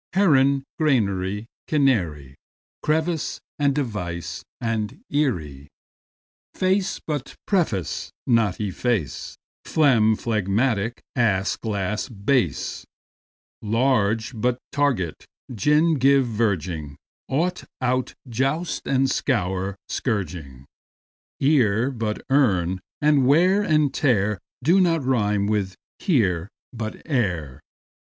Heron; granary, canary; Crevice, and device, and eyrie; Face but preface, but efface, Phlegm, phlegmatic; ass, glass, bass; Large, but target, gin, give, verging; Ought, out, joust and scour, but scourging; Ear, but earn; and wear and tear Do not rime with "here", but "ere".